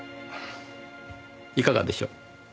いかがでしょう？